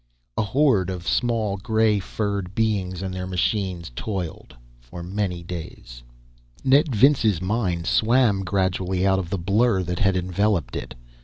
A horde of small, grey furred beings and their machines, toiled for many days. Ned Vince's mind swam gradually out of the blur that had enveloped it.